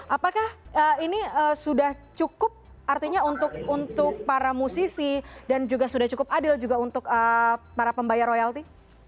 apakah ini sudah cukup artinya untuk para musisi dan juga sudah cukup adil juga untuk para pembayar royalti